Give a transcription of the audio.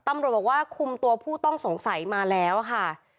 ตำรวจบอกว่าคุมตัวผู้ต้องสงสัยมาแล้วค่ะ